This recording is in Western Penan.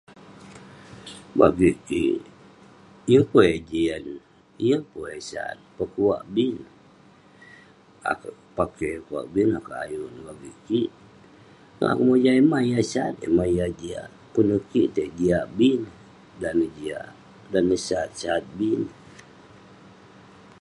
Bagik kik, yeng pun eh jian, yeng pun eh sat, pekuak bin..akouk pakey, pogeng akouk ayuk, nobik kik..yeng akouk mojam yah mah yah sat, yah mah yah jiak..kunah kik tei , jian bin neh, dan neh jiak..dan neh sat, sat bin neh..